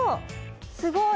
すごい！